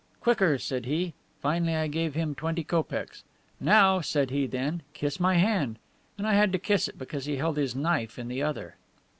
'Quicker,' said he. Finally I gave him twenty kopecks. 'Now,' said he then, 'kiss my hand.' And I had to kiss it, because he held his knife in the other."